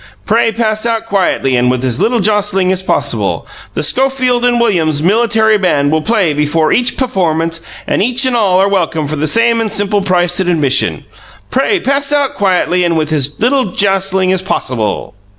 Pray pass out quietly and with as little jostling as possible. The Schofield and Williams Military Band will play before each pufformance, and each and all are welcome for the same and simple price of admission. Pray pass out quietly and with as little jostling as possible."